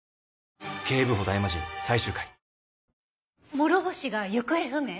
諸星が行方不明？